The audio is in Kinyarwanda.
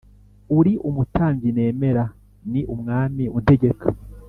Uri umutambyi nemera ni umwami untegeka